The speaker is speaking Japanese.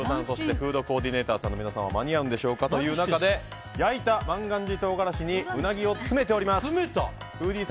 フードコーディネーターの皆さんは間に合うんでしょうかという中で焼いた万願寺とうがらしにうなぎを詰めています。